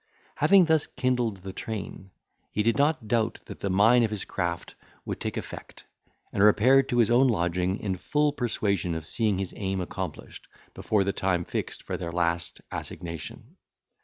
Having thus kindled the train, he did not doubt that the mine of his craft would take effect, and repaired to his own lodging, in full persuasion of seeing his aim accomplished, before the time fixed for their last assignation.